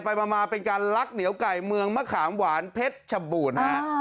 ไปมาเป็นการลักเหนียวไก่เมืองมะขามหวานเพชรชบูรณ์ฮะ